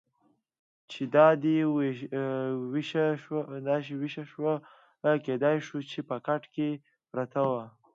چې دا دې وېښه وه، کېدای شوه چې په کټ کې پرته وه.